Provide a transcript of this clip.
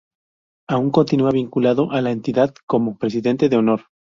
Aún continua vinculado a la entidad como "Presidente de Honor".